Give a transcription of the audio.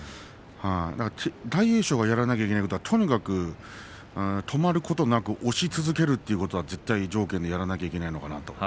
大栄翔がやらなきゃいけないのはとにかく止まることなく押し続けるということは絶対条件でやらなきゃいけないのかなと。